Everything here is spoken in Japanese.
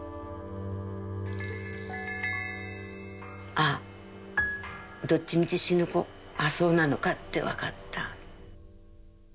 ああどっちみち死ぬ子そうなのかってわかった。